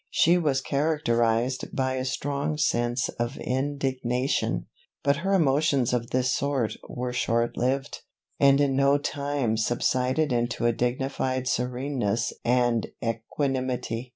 She was characterised by a strong sense of indignation; but her emotions of this sort were short lived, and in no long time subsided into a dignified sereneness and equanimity.